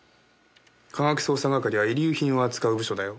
科学捜査係は遺留品を扱う部署だよ。